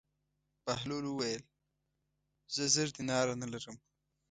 بهلول وویل: زه زر دیناره نه لرم.